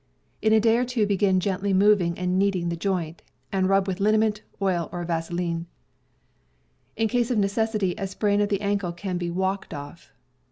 In a day or two begin gently moving and kneading the joint, and rub with liniment, oil, or vaselin. In case of necessity, a sprain of the ankle can be ivalked off.